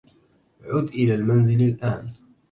عُد إلى المنزل الآن.